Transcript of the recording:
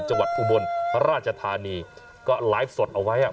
จังหวัดอุบลราชธานีก็ไลฟ์สดเอาไว้อะ